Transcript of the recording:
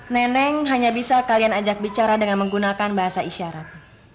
neneng hanya bisa kalian ajak bicara dengan menggunakan bahasa isyarat